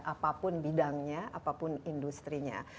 apapun bidangnya apapun industrinya